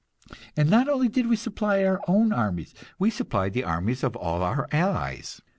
And not only did we supply our own armies, we supplied the armies of all our allies.